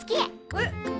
えっ。